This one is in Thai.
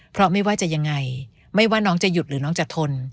เพราะไม่ว่าจะยังไงไม่ว่าน้องจะหยุดหรือน้องจะทน